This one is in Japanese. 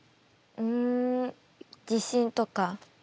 ん自信とか。